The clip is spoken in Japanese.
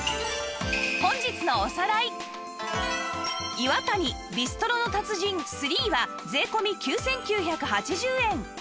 イワタニビストロの達人 Ⅲ は税込９９８０円